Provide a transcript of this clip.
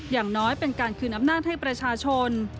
อย่างน้อยเป็นการคืนอำนาจให้ประชาชน